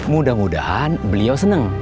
mudah mudahan beliau seneng